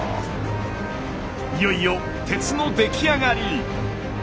いよいよ鉄の出来上がり。